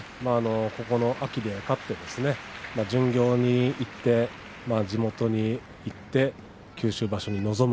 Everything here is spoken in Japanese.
ここで勝って巡業に行って地元に行って九州場所に臨む。